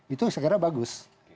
itu saya kira bagus